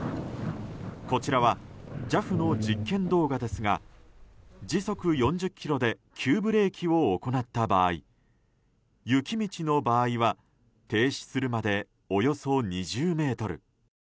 こちらはＪＡＦの実験動画ですが時速４０キロで急ブレーキを行った場合雪道の場合は停止するまで、およそ２０ｍ。